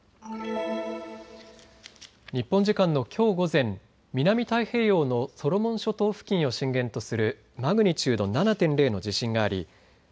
日本時間のきょう午前、南太平洋のソロモン諸島付近を震源とするマグニチュード７．０の地震がありＮＯＡＡ